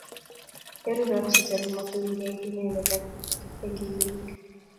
Berurot chito ne matun keit inendet ak kiptengekinik